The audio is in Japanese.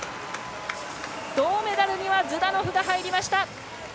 銅メダルにはズダノフが入りました。